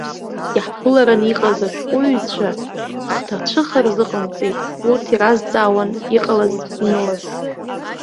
Иаҳԥыларан иҟаз ашәҟәыҩҩцәа хҭацәыха рзыҟамҵеит, урҭ иразҵаауан иҟалаз-инылаз.